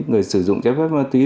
người sử dụng trái phép ma túy